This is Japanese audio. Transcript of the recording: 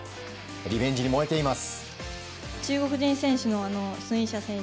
リベンジに燃えています。